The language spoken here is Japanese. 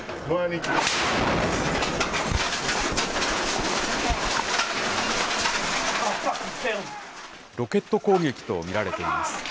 ロケット攻撃と見られています。